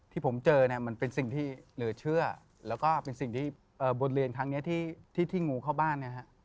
ที่ผมเจอมันเป็นสิ่งที่เหลือเชื่อแล้วก็เป็นสิ่งที่บทเรียนครั้งนี้ที่ทิ้งงูเข้าบ้านนะครับ